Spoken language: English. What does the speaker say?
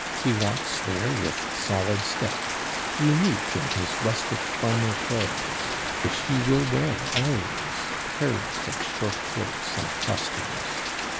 He walks there with solid step; unique, "in his rustic farmer clothes;" which he will wear always, careless of short cloaks and costumes.